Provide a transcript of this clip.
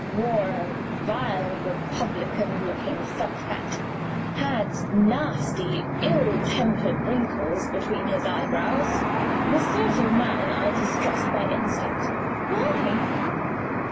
Wore a vile republican looking felt hat. Had nasty ill tempered wrinkles between his eyebrows. The sort of man I distrust by instinct." "Why?"